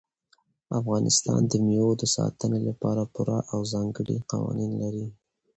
افغانستان د مېوو د ساتنې لپاره پوره او ځانګړي قوانین لري.